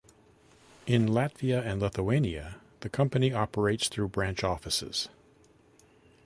In Latvia and Lithuania the company operates through branch offices.